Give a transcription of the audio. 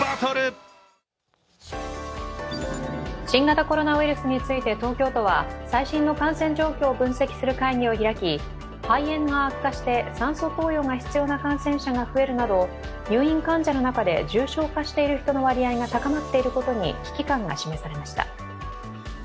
新型コロナウイルスについて東京都は最新の感染状況を分析する会議を開き肺炎が悪化して酸素投与が必要な感染者が増えるなど、入院患者の中で重症化している人の割合が高まっていることに危機感が示されました。